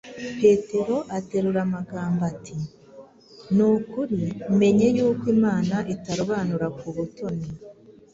Petero aterura amagambo ati: “Ni ukuri, menye yuko Imana itarobanura ku butoni,